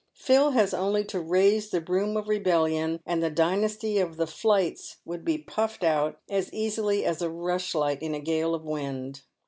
Phil has only to raise the broom of rebellion, and the dynasty of the Flights would be puffed out as easily as a rush light in a gale of wind.